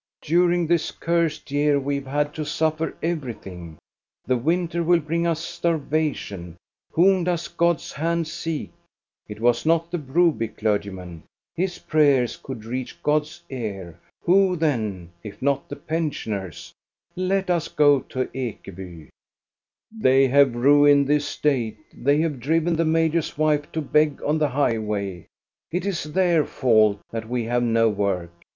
" During this cursed year we have had to suffer everything. The winter will bring us starvation. Whom does God's hand seek.^ It was not the Broby clergyman. His prayers could reach God's ear. Who, then, if not these pensioners } Let us go to Ekeby ! THE BROOM GIRL 407 "They have ruined the estate, they have driven the major's wife to beg on the highway. It is their fault that we have no work.